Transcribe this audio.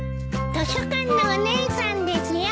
図書館のお姉さんですよ。